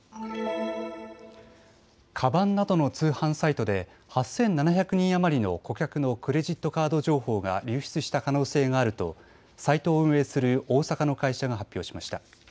かばんなどの通販サイトで８７００人余りの顧客のクレジットカード情報が流出した可能性があるとサイトを運営する大阪の会社が発表しました。